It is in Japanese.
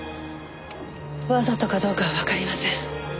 わざとかどうかはわかりません。